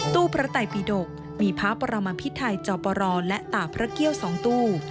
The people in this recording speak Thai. ตู้พระไต้ปีดกมีพระพระมพิทัยเจ้าปรอและตาพระเกี่ยวสองตู้